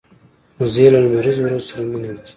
وزې له لمریز ورځو سره مینه لري